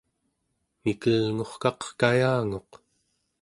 mikelngurkaq kayanguq